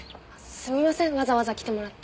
すみませんわざわざ来てもらって。